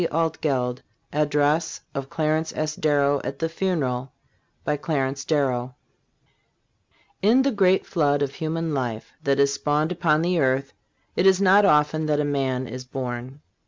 ALTGELD ADDRESS OF CLARENCE S. DARROW AT THE FUNERAL IN the great flood of human life that is spawned upon the earth, it is not often that a man is born.